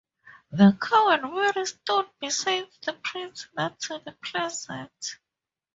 The cow and mare stood beside the prince, not the peasant.